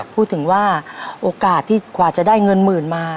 พูดถึงว่าโอกาสที่กว่าจะได้เงินหมื่นมา